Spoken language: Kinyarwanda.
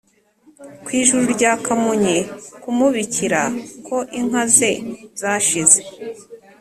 ku ijuru rya kamonyi kumubikira ko inka ze zashize.